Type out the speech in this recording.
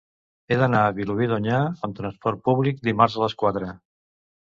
He d'anar a Vilobí d'Onyar amb trasport públic dimarts a les quatre.